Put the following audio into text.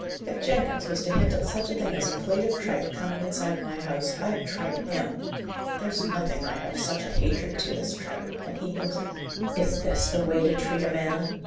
If Jenkins was to hint at such a thing as a plate of tripe coming inside my house, I'd tripe him. There's nothing I have such a hatred to as tripe; and he knows it." "Is this the way to treat a man?"